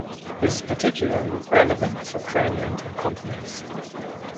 This is particularly relevant for crane rental companies.